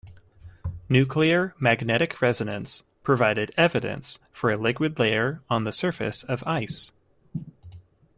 Nuclear magnetic resonance provided evidence for a liquid layer on the surface of ice.